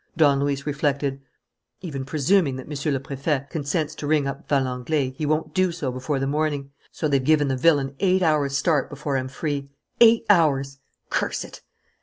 Don Luis reflected: "Even presuming that Monsieur le Prefect consents to ring up Valenglay, he won't do so before the morning. So they've given the villain eight hours' start before I'm free. Eight hours! Curse it!"